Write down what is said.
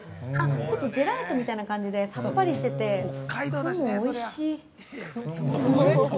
ちょっとジェラートみたいな感じでさっぱりしてて雲、おいしい。